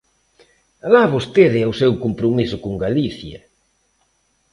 ¡Alá vostede e o seu compromiso con Galicia!